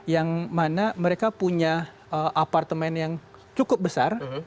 yang mana mereka punya apartemen yang cukup besar